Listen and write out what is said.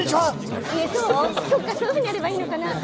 そっか、そういうふうにやればいいのかな。